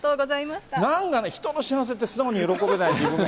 なんかね、人の幸せって素直に喜べない自分が。